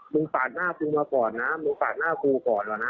มึงปาดหน้าครูมาก่อนนะมึงปาดหน้าครูก่อนล่ะนะ